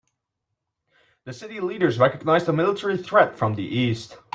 The city leaders recognized a military threat from the east.